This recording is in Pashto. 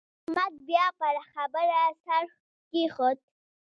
احمد بيا پر خبره څرخ کېښود.